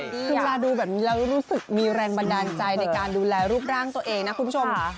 คือมาดูแบบนี้แล้วรู้สึกมีแรงบันดาลใจในการดูแลรูปร่างตัวเองนะคุณผู้ชมค่ะ